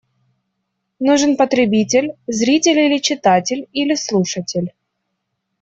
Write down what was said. Нужен потребитель – зритель или читатель, или слушатель.